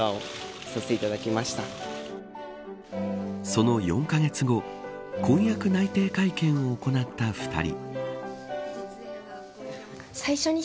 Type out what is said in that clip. その４カ月後婚約内定会見を行った２人。